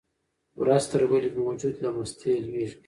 ورځ تر بلې مې وجود له مستۍ لویږي.